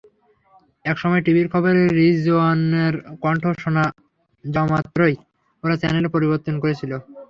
একসময় টিভির খবরে রিজওয়ানার কণ্ঠ শোনা যাওয়ামাত্রই ওরা চ্যানেল পরিবর্তন করছিল।